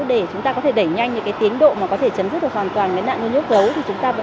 để chúng ta có thể đẩy nhanh những cái tiến độ mà có thể chấm dứt được hoàn toàn cái nạn nuôi nước gấu